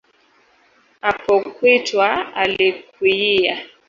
Apokwitwa alikwikiya